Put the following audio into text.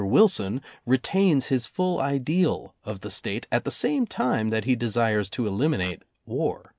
Wilson retains his full ideal of the State at the same time that he desires to eliminate war.